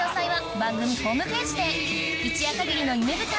一夜限りの夢舞台